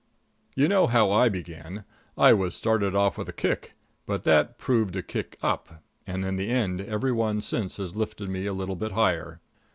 _"] You know how I began I was started off with a kick, but that proved a kick up, and in the end every one since has lifted me a little bit higher.